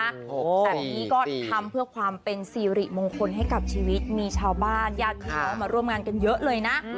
แบบนี้ก็ทำเพื่อความเป็นสิริมงคลให้กับชีวิตมีชาวบ้านญาติพี่น้องมาร่วมงานกันเยอะเลยนะ